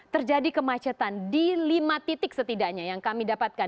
terjadi kemacetan di lima titik setidaknya yang kami dapatkan